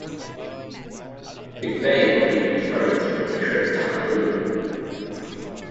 McVeigh when he returns from a trip to Honolulu.